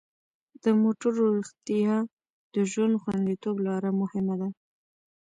د موټرو روغتیا د ژوند خوندیتوب لپاره مهمه ده.